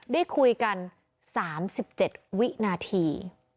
ได้คุยกัน๓๗วินาที